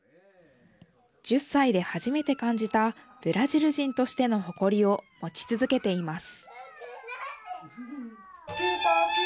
１０歳で初めて感じたブラジル人としての誇りをもち続けています。